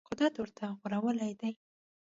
قدرت ورته غوړولې ده